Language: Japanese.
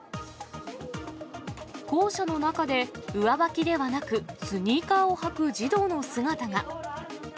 校舎の中で、上履きではなく、スニーカーを履く児童の姿が。